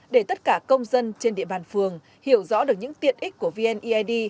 để tất cả công dân trên địa bàn phường hiểu rõ được những tiện ích của vneid